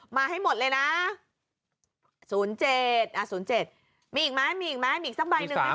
มาให้หมดเลยนะ๐๗มีอีกไหมมีอีกสักใบหนึ่งไหมค่ะ